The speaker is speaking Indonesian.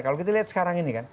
kalau kita lihat sekarang ini kan